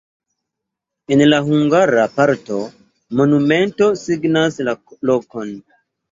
En la hungara parto monumento signas la lokon.